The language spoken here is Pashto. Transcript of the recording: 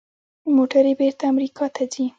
موټرې بیرته امریکا ته ځي.